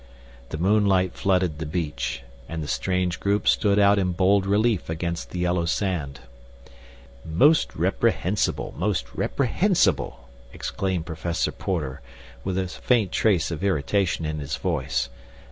The moonlight flooded the beach, and the strange group stood out in bold relief against the yellow sand. "Most reprehensible, most reprehensible," exclaimed Professor Porter, with a faint trace of irritation in his voice.